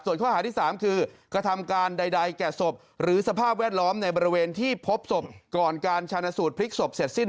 ส่วนข้อหาที่๓คือกระทำการใดแก่ศพหรือสภาพแวดล้อมในบริเวณที่พบศพก่อนการชาญสูตรพลิกศพเสร็จสิ้น